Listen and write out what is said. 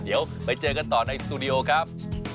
เดี๋ยวไปเจอกันต่อในสตูดิโอครับ